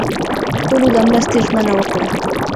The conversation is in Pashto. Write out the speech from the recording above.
ټولو د مرستې ژمنه ورکړه.